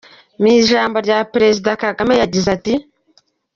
Mu ijambo rye Perezida Kagame yagize ati:.